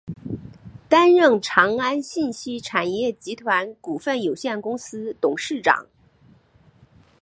担任长安信息产业集团股份有限公司董事长。